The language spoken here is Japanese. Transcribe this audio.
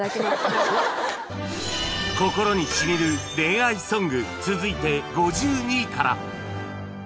『心にしみる恋愛ソング』続いて５２位から